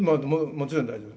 もちろん大丈夫。